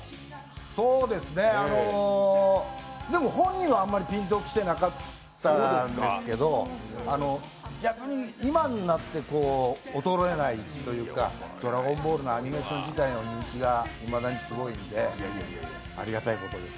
そうですね、でも、本人はあまりピンと来てなかったんですけど、逆に今になって、衰えないというか「ドラゴンボール」のアニメーション自体の人気がいまだにすごいんで、ありがたいことです。